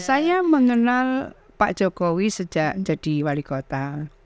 saya mengenal pak jokowi sejak jadi wali kota